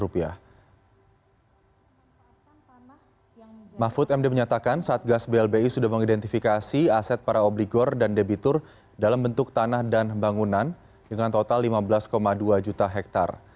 mahfud md menyatakan satgas blbi sudah mengidentifikasi aset para obligor dan debitur dalam bentuk tanah dan bangunan dengan total lima belas dua juta hektare